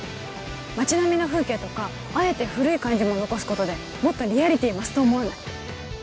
町並みの風景とかあえて古い感じも残すことでもっとリアリティー増すと思わない？